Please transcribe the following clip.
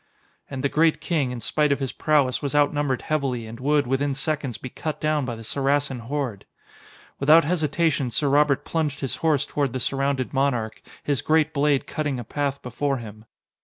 And the great king, in spite of his prowess was outnumbered heavily and would, within seconds, be cut down by the Saracen horde! Without hesitation, Sir Robert plunged his horse toward the surrounded monarch, his great blade cutting a path before him.